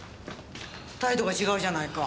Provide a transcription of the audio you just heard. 態度が違うじゃないか。